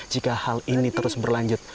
jika hal ini terus berlanjut